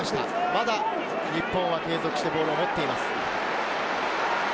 まだ日本は継続してボールを持っています。